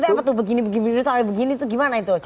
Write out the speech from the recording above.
tapi apa tuh begini begini dulu sampai begini tuh gimana itu